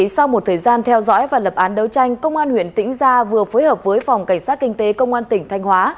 sau một thời gian theo dõi và lập án đấu tranh công an huyện tĩnh gia vừa phối hợp với phòng cảnh sát kinh tế công an tỉnh thanh hóa